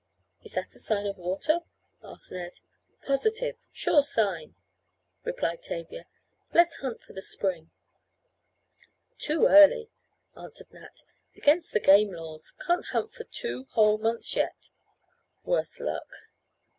"Is that a sign of water?" asked Ned. "Positive sure sign," replied Tavia. "Let's hunt for the spring." "Too early," answered Nat, "against the game laws. Can't hunt for two whole months yet. Worse luck."